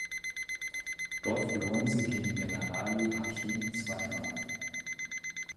Dort verloren sie gegen Generali Haching zweimal.